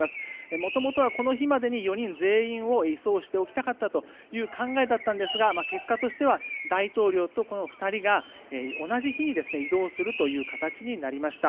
もともとは、この日までに４人全員を移送しておきたかったという考えだったんですが結果としては大統領とこの２人が同じ日に移動するという形になりました。